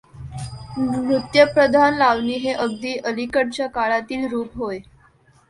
नृत्यप्रधान लावणी हे अगदी अलीकडच्या काळातील रूप होय.